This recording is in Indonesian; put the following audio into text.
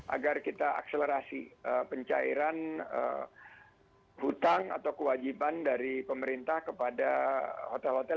agar kita akselerasi pencairan hutang atau kewajiban dari pemerintah kepada hotel hotel